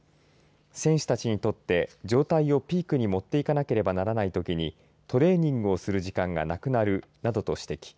選手たちにとって状態をピークに持っていかなければならないときにトレーニングをする時間がなくなるなどと指摘。